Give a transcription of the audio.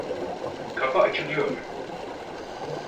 Kapı açılıyor.